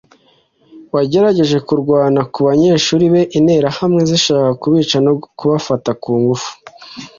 wagerageje kurwana ku banyeshuri be Interahamwe zishaka kubica no kubafata ku ngufu